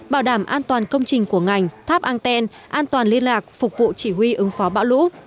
bảo đảm an toàn công trình của ngành tháp anten an toàn liên lạc phục vụ chỉ huy ứng phó bão lũ